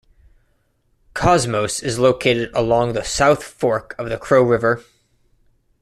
Cosmos is located along the South Fork of the Crow River.